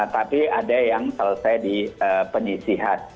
tapi ada yang selesai di penyisihan